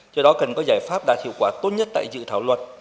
do đó cần có giải pháp đạt hiệu quả tốt nhất tại dự thảo luật